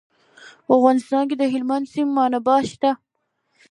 په افغانستان کې د هلمند سیند منابع شته.